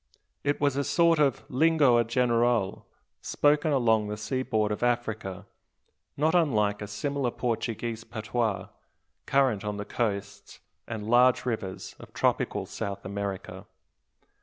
It was a sort of "lingoa geral" spoken along the seaboard of Africa, not unlike a similar Portuguese patois, current on the coasts and large rivers of tropical South America.